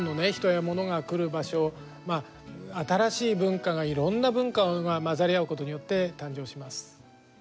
まあ新しい文化がいろんな文化が混ざり合うことによって誕生します。